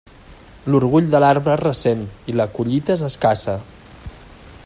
L'orgull de l'arbre es ressent i la collita és escassa.